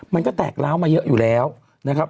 มันก็แตกร้าวมาเยอะอยู่แล้วนะครับ